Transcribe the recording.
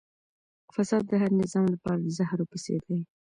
فساد د هر نظام لپاره د زهرو په څېر دی.